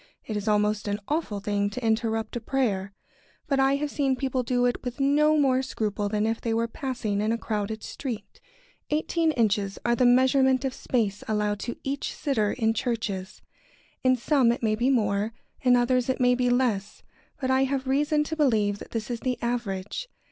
It is almost an awful thing to interrupt a prayer. But I have seen people do it with no more scruple than if they were passing in a crowded street. [Sidenote: On the space one may occupy.] Eighteen inches are the measurement of space allowed to each sitter in the churches. In some it may be more; in others it may be less. But I have reason to believe that this is the average.